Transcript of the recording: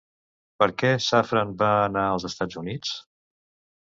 Per què Safran va anar als Estats Units?